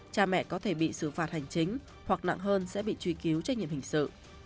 cha mẹ có thể bị xử phạt hành chính hoặc nặng hơn sẽ bị truy cứu trách nhiệm hình sự